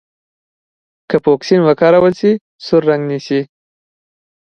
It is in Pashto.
که فوکسین وکارول شي سور رنګ نیسي.